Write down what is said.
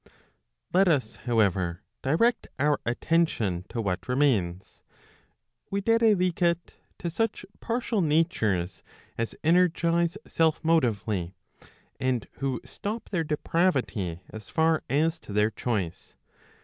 Let us however, direct our attention to what remains, viz. to such partial natures as energize self motively, and who stop their depravity as far as to their choice.